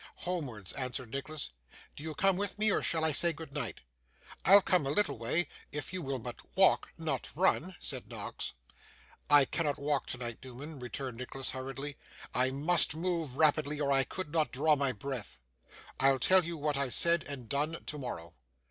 'Homewards,' answered Nicholas. 'Do you come with me, or I shall say good night?' 'I'll come a little way, if you will but walk: not run,' said Noggs. 'I cannot walk tonight, Newman,' returned Nicholas, hurriedly. 'I must move rapidly, or I could not draw my breath. I'll tell you what I've said and done tomorrow.